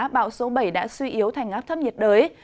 bão số bảy đã suy yếu thành áp thấp nhiệt đới